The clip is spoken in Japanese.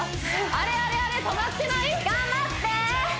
あれあれあれ止まってない！？頑張って！